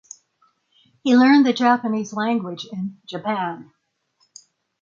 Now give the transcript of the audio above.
He learned the Japanese language in Japan.